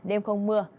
đêm không mưa